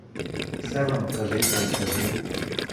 Все вам кажи та й кажи!